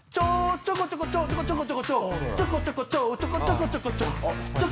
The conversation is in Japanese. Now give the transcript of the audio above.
ちょこちょこちょこちょちょこちょちょこちょ